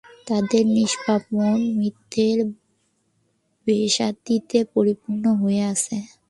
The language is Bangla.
তাদের নিষ্পাপ মন মিথ্যের বেসাতীতে পরিপূর্ণ হয়ে আছে!